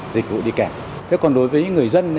dịch vụ đi kèm thế còn đối với người dân